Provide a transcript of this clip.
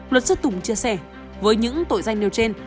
luật sư tùng chia sẻ với những tội danh nêu trên